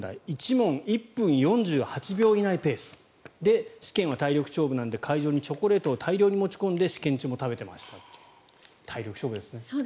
１問１分４８秒以内ペースで試験は体力勝負なので会場にチョコレートを大量に持ち込んで試験中も食べていましたという。